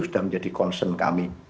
sudah menjadi concern kami